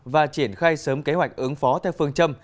và triển khai sớm kế hoạch ứng phó theo phương châm